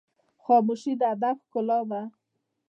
خاموشي، د ادب ښکلا ده.